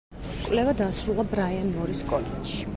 კვლევა დაასრულა ბრაიან მორის კოლეჯში.